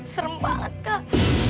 serem banget kak